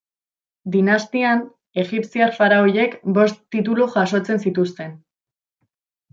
Dinastian, egipziar faraoiek bost titulu jasotzen zituzten.